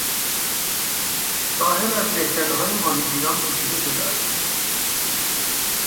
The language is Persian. ساحل از دهکدههای ماهیگیران پوشیده شده است.